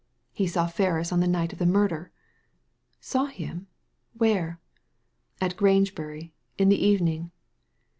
" He saw Ferris on the night of the murder !" "Saw him! Where?" "At Grangebury ! In the evening."